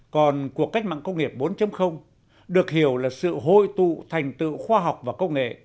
còn cuộc cách mạng công nghiệp bốn được hiểu là sự hội tụ thành tựu khoa học và công nghệ